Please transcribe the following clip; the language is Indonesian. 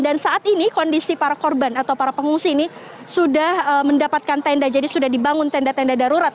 dan saat ini kondisi para korban atau para pengungsi ini sudah mendapatkan tenda jadi sudah dibangun tenda tenda darurat